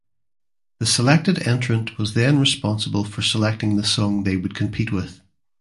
The selected entrant was then responsible for selecting the song they would compete with.